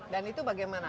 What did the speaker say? dan itu bagaimana